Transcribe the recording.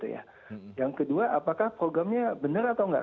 yang kedua apakah programnya benar atau enggak